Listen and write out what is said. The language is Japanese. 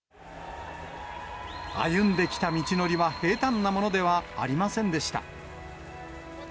歩んできた道のりは、平たんなものではありませんでした。